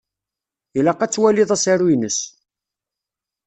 Ilaq ad twaliḍ asaru-ines.